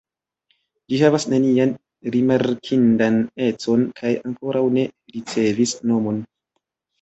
Ĝi havas nenian rimarkindan econ kaj ankoraŭ ne ricevis nomon.